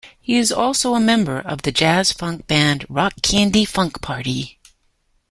He is also a member of the jazz-funk band Rock Candy Funk Party.